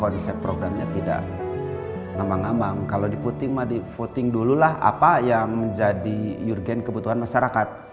ngambang ngambang kalau diputing diputing dululah apa yang menjadi yurgen kebutuhan masyarakat